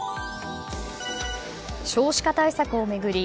少子化対策を巡り